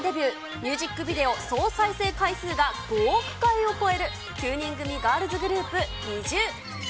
ミュージックビデオ総再生回数が５億回を超える、９人組ガールズグループ、ＮｉｚｉＵ。